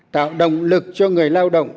tạo động lực cho người lao động